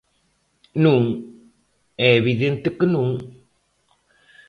Non, é evidente que non.